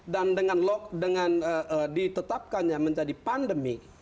dan dengan ditetapkannya menjadi pandemi